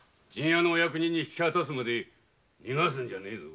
役人に引き渡すまで逃がすんじゃねぇぞ。